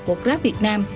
của grab việt nam